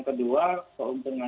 tentunya biayanya akan lebih rendah